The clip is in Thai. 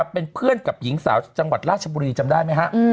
เป็นเพื่อนกับหญิงสาวจังหวัดราชบุรีจำได้ไหมฮะ